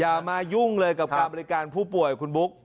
อย่ามายุ่งเลยกับการบริการผู้ป่วยคุณบุ๊ค